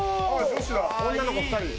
女の子２人。